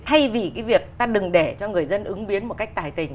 thay vì cái việc ta đừng để cho người dân ứng biến một cách tài tình